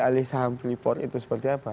alih saham freeport itu seperti apa